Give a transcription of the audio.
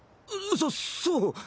そそう。